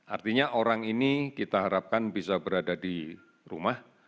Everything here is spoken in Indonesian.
artinya orang ini kita harapkan bisa berada di rumah